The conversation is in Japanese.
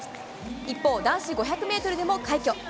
一方、男子５００ｍでも快挙。